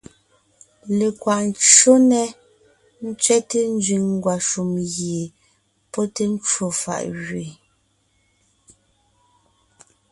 Lekwaʼ ncÿó nɛ́ tsẅɛ́te nzẅìŋ ngwàshùm gie pɔ́ té ncwò fàʼ gẅeen,